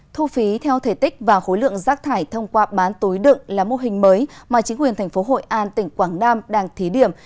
thu phí theo thể tích và khối lượng rác thải thông qua bán tối đựng là mô hình mới mà chính quyền thành phố hội an tỉnh quảng nam đang thí điểm